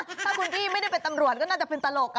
ถ้าคุณพี่ไม่ได้เป็นตำรวจก็น่าจะเป็นตลก